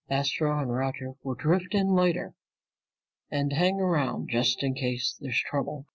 Astro and Roger will drift in later and hang around, just in case there's trouble."